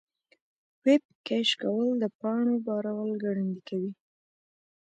د ویب کیش کول د پاڼو بارول ګړندي کوي.